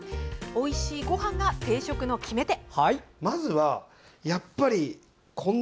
おいしいごはんが定食の決め手！